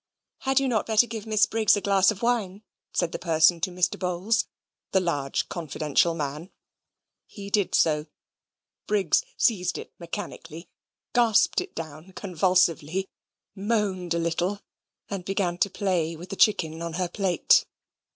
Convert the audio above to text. "Had you not better give Miss Briggs a glass of wine?" said the person to Mr. Bowls, the large confidential man. He did so. Briggs seized it mechanically, gasped it down convulsively, moaned a little, and began to play with the chicken on her plate.